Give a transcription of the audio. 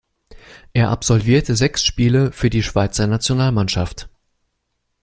Er absolvierte sechs Spiele für die Schweizer Nationalmannschaft.